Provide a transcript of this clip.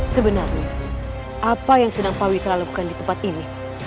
sebenarnya apa yang sedang pawitra lakukan di tempat ini